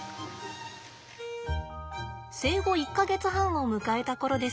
生後１か月半を迎えた頃です。